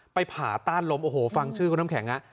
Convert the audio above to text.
ผ่าต้านล้มโอ้โหฟังชื่อคุณน้ำแข็ง